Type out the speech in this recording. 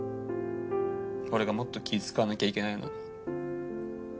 俺がもっと気遣わなきゃいけないのに。